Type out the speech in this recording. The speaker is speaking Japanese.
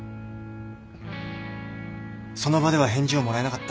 その場では返事をもらえなかった。